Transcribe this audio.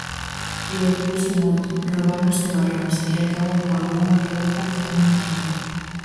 E loitouse moito, roubáronse balóns, e ata houbo algunha que outra acción de mérito.